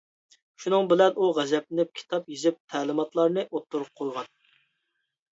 شۇنىڭ بىلەن ئۇ غەزەپلىنىپ، كىتاب يېزىپ تەلىماتلارنى ئوتتۇرىغا قويغان.